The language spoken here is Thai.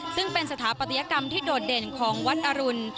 ซึ่งเป็นสถาปัตยกรรมที่โดดเด่นของวัดอรุณ